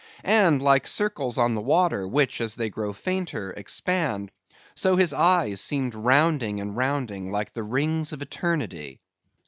And like circles on the water, which, as they grow fainter, expand; so his eyes seemed rounding and rounding, like the rings of Eternity.